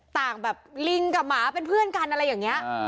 แบบลิงกับหมาเป็นเพื่อนกันอะไรอย่างนี้